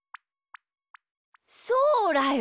そうだよ！